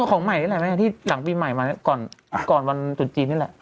ของใหม่นี่แหละแม่ที่หลังปีใหม่มาก่อนวันจุดจีนนี่แหละ